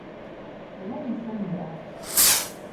Мӹлӓнем самый раз...